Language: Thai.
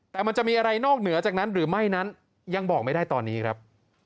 แต่มันจะมีอะไรนอกเหนือจากนั้นหรือไม่นั้นยังบอกไม่ได้ตอนนี้ครับ